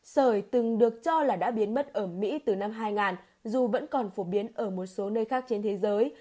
sởi từng được cho là đã biến mất ở mỹ từ năm hai nghìn dù vẫn còn phổ biến ở một số nơi khác trên thế giới